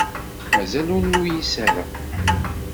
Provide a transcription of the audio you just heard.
Mazal ur nuyis ara.